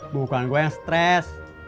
bukan gue yang stress